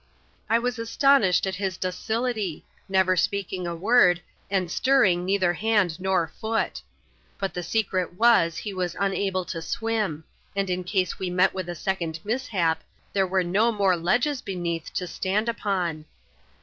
I was astonished at his docilitj, never speaking a word, and stirring neither hand nor foot ; hot the secret was, he was unable to swim, and in case we met with a second mishap, there were no more ledges beneath to stand upon.